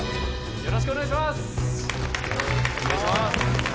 よろしくお願いします！